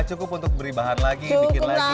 cukup untuk beri bahan lagi bikin lagi